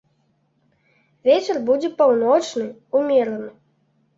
Вецер будзе паўночны ўмераны.